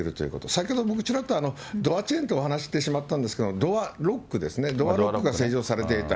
先ほど僕、ちらっと、ドアチェーンってお話ししてしまったんですけど、ドアロックですね、ドアロックが施錠されていた。